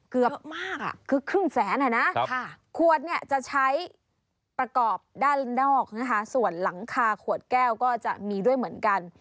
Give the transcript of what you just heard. เกือบมากคือครึ่งแสนอ่ะนะขวดเนี่ยจะใช้ประกอบด้านนอกนะคะส่วนหลังคาขวดแก้วก็จะมีด้วยเหมือนกัน